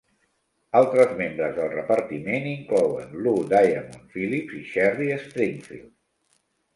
Altres membres del repartiment inclouen Lou Diamond Phillips i Sherry Stringfield.